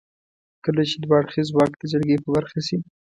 کله چې دوه اړخيز واک د جرګې په برخه شي.